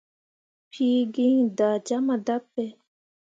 Piigi iŋ da jama dape.